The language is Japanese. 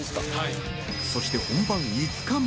そして本番５日前。